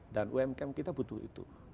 dan umkm kita butuh itu